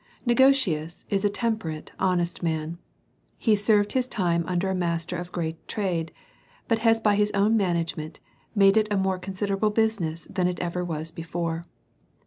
Negotius is a temperate, honest man. He seived his time under a master of great trade, but has by his own management made it a more considerable busi ness than ever it was before.